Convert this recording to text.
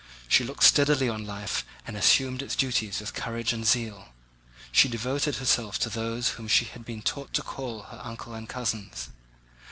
She looked steadily on life and assumed its duties with courage and zeal. She devoted herself to those whom she had been taught to call her uncle and cousins.